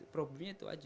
problemnya itu aja